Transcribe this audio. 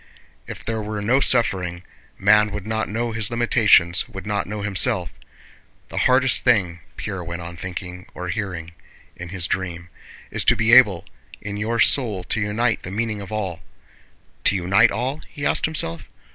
If there were no suffering, man would not know his limitations, would not know himself. The hardest thing (Pierre went on thinking, or hearing, in his dream) is to be able in your soul to unite the meaning of all. To unite all?" he asked himself.